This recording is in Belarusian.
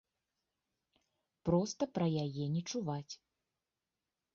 Проста пра яе не чуваць.